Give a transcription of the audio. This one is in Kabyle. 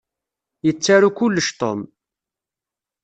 Yettaru kullec Tom.